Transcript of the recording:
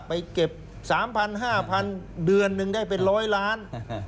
ไปเก็บ๓๐๐๕๐๐เดือนหนึ่งได้เป็น๑๐๐ล้าน